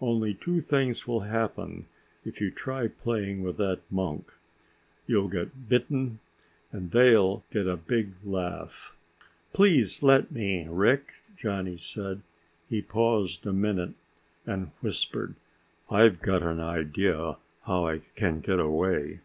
Only two things will happen if you try playing with that monk. You'll get bitten, and they'll get a big laugh." "Please let me, Rick," Johnny said. He paused a minute and whispered, "I've got an idea how I can get away."